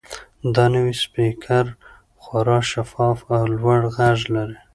دا نوی سپیکر خورا شفاف او لوړ غږ لري.